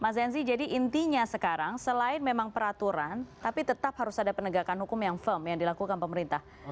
mas zensi jadi intinya sekarang selain memang peraturan tapi tetap harus ada penegakan hukum yang firm yang dilakukan pemerintah